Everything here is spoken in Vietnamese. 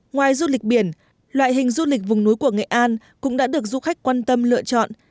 ngoài du lịch biển loại hình du lịch vùng núi của nghệ an cũng đã được du khách quan tâm lựa chọn